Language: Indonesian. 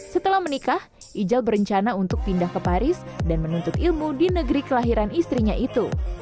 setelah menikah ijal berencana untuk pindah ke paris dan menuntut ilmu di negeri kelahiran istrinya itu